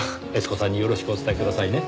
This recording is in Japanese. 悦子さんによろしくお伝えくださいね。